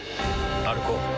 歩こう。